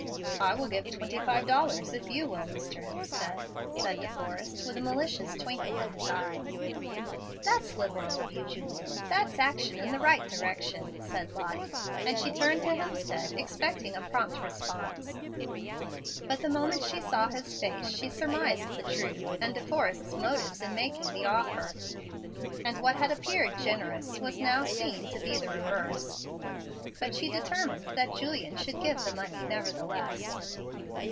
"I will give twenty five dollars if you will, Mr. Hemstead," said De Forrest, with a malicious twinkle in his eye. "That's liberal of you, Julian. That's action in the right direction," said Lottie; and she turned to Hemstead, expecting a prompt response. But the moment she saw his face she surmised the truth and De Forrest's motive in making the offer, and what had appeared generous was now seen to be the reverse. But she determined that Julian should give the money, nevertheless.